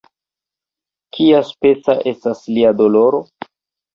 Kiaspeca estas lia doloro?